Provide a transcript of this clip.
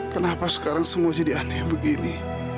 kenapa sekarang semua jadi aneh begini